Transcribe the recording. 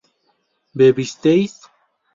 bebisteis